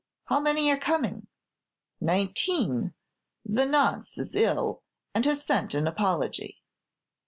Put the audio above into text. How many are coming?" "Nineteen; the 'Nonce' is ill, and has sent an apology."